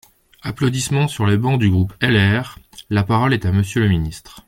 (Applaudissements sur les bancs du groupe LR.) La parole est à Monsieur le ministre.